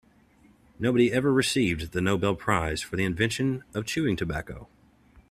Nobody ever received the Nobel prize for the invention of chewing tobacco.